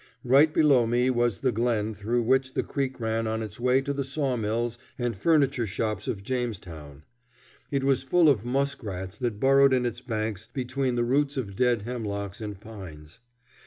Right below me was the glen through which the creek ran on its way to the sawmills and furniture shops of Jamestown. It was full of musk rats that burrowed in its banks between the roots of dead hemlocks and pines.